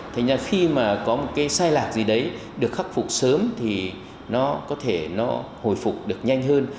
thế nhưng khi mà có một cái sai lạc gì đấy được khắc phục sớm thì nó có thể nó hồi phục được nhanh hơn